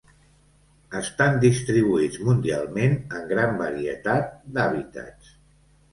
Estan distribuïts mundialment en gran varietat d'hàbitats.